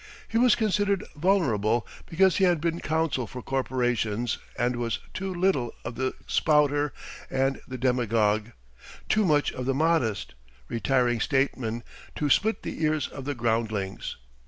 He was considered vulnerable because he had been counsel for corporations and was too little of the spouter and the demagogue, too much of the modest, retiring statesman to split the ears of the groundlings.